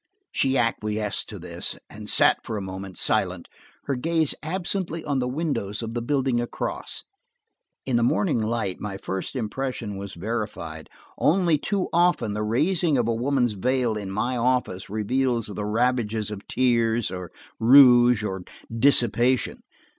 She acquiesced to this and sat for a moment silent, her gaze absently on the windows of the building across. In the morning light my first impression was verified. Only too often the raising of a woman's veil in my office reveals the ravages of tears, or rouge, or dissipation.